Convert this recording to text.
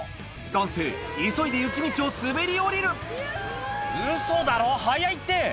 男性急いで雪道を滑り降りる「ウソだろ速いって！」